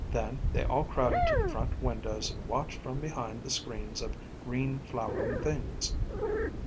Then they all crowded to the front windows and watched from behind the screens of green flowering things.